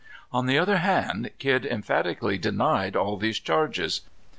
On the other hand, Kidd emphatically denied all these charges.